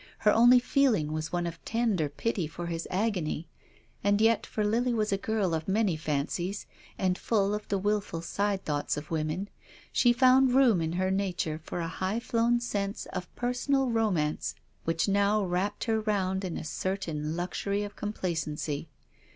Her only feeling was one of tender pity for his agony. And yet, for Lily was a girl of many fancies and full of the wilful side thoughts of women, she found room in her nature for a highflown sense of personal romance which now wrapped her round in a cer tain luxury of complacency.